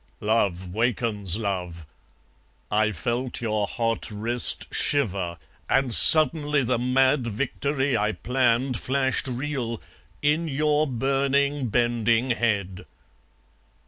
Love wakens love! I felt your hot wrist shiver And suddenly the mad victory I planned Flashed real, in your burning bending head.